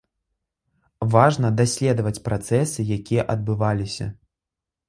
Важна даследаваць працэсы, якія адбываліся.